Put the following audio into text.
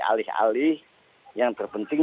alih alih yang terpenting